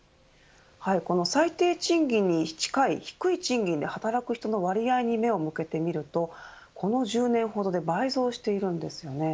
この最低賃金に近い低い賃金で働く人の割合に目を向けてみるとこの１０年ほどで倍増しているんですね。